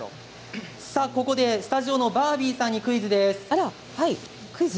ここでスタジオのバービーさんにクイズです。